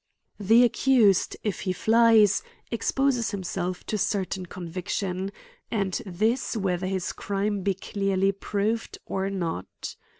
The accused, if he flies, exposes himself to cer tain conviction ; and this whether his crime be clearly proved or not.